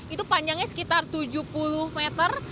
itu panjangnya sekitar tujuh puluh meter